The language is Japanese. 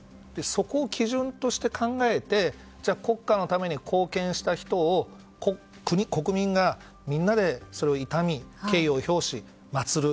そこを基準として考えて国家のために貢献した人を国、国民がみんなでそれを悼み敬意を表し、祭る。